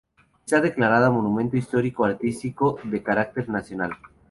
Está declarada Monumento Histórico-Artístico de carácter Nacional.